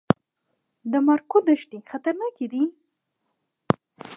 د مارګو دښتې خطرناکې دي؟